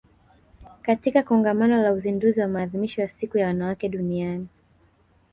katika Kongamano la Uzinduzi wa Maadhimisho ya Siku ya Wanawake Duniani